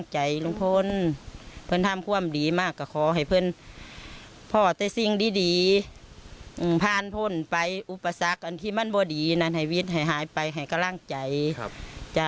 ฉันก็เคยเลี้ยงหลานเลี้ยงมาแล้วนะฮะ